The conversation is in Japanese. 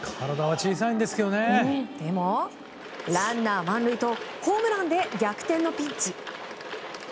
でも、ランナー満塁とホームランで逆転のピンチ。